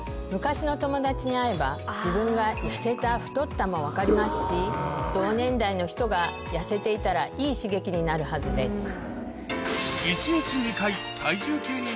昔の友達に会えば自分が痩せた太ったも分かりますし同年代の人が痩せていたらいい刺激になるはずです。